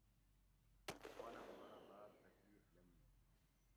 پنہ ما رہ باۤر تکلیف لنگُو